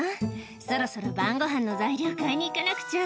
「そろそろ晩ごはんの材料買いに行かなくちゃ」